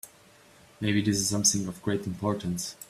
Maybe this is something of great importance.